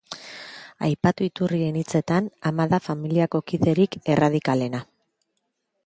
Aipatu iturrien hitzetan, ama da familiako kiderik erradikalena.